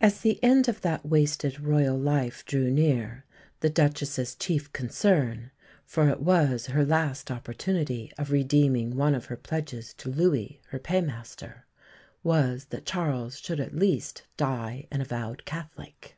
As the end of that wasted Royal life drew near the Duchess's chief concern for it was her last opportunity of redeeming one of her pledges to Louis, her paymaster was that Charles should at least die an avowed Catholic.